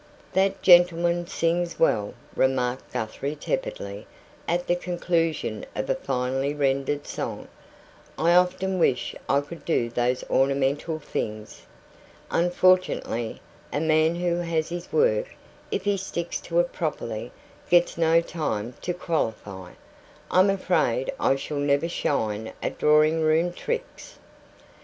"That gentleman sings well," remarked Guthrie tepidly, at the conclusion of a finely rendered song. "I often wish I could do those ornamental things. Unfortunately, a man who has his work if he sticks to it properly gets no time to qualify. I'm afraid I shall never shine at drawing room tricks."